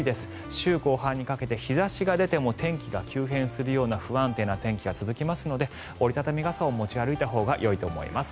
週後半にかけて日差しが出ても天気が急変するような不安定な天気が続きますので折り畳み傘を持ち歩いたほうがよいと思います。